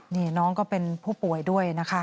นี่น้องก็เป็นผู้ป่วยด้วยนะคะ